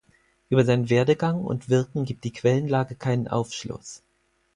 Über seinen Werdegang und Wirken gibt die Quellenlage keinen Aufschluss.